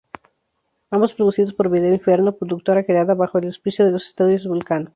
Ambos producidos por Vídeo Inferno, productora creada bajo el auspicio de los Estudios Vulcano.